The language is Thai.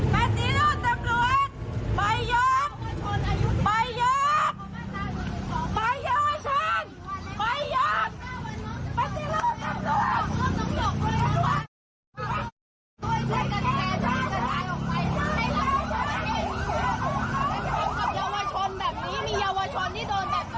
ไปเยาวชนปฏิรูปลำรวจส่วน